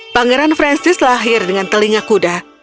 pangeran francis lahir dengan telinga kuda